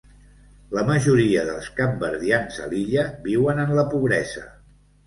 La majoria dels capverdians a l'illa viuen en la pobresa.